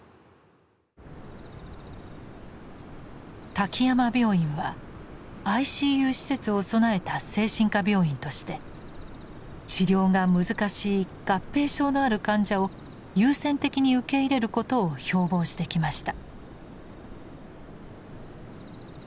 滝山病院はＩＣＵ施設を備えた精神科病院として治療が難しい合併症のある患者を優先的に受け入れることを標ぼうしてきました。